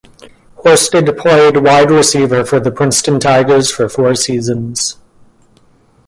Horsted played wide receiver for the Princeton Tigers for four seasons.